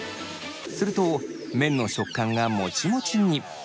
すると麺の食感がもちもちに。